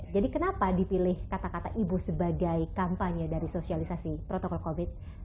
jadi kenapa dipilih kata kata ibu sebagai kampanye dari sosialisasi protokol covid sembilan belas